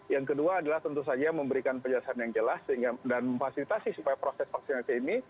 yang kedua adalah tentu saja memberikan penjelasan yang jelas dan memfasilitasi supaya proses vaksinasi ini